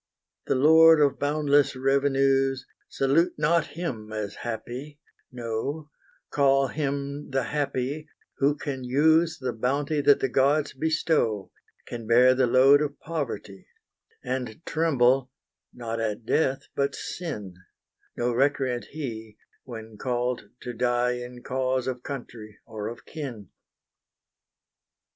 The lord of boundless revenues, Salute not him as happy: no, Call him the happy, who can use The bounty that the gods bestow, Can bear the load of poverty, And tremble not at death, but sin: No recreant he when called to die In cause of country or of kin.